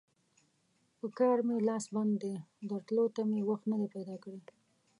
پر کار مې لاس بند دی؛ درتلو ته مې وخت نه دی پیدا کړی.